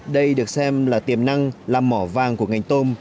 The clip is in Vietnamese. đây được xem là tiềm năng là mỏ vàng của ngành tôm